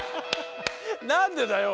何でだよ！